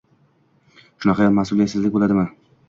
Shunaqayam mas'uliyatsizlik bo'ladimi